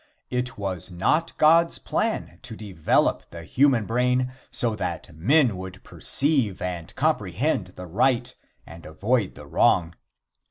It was not God's plan to develop the human brain, so that man would perceive and comprehend the right and avoid the wrong.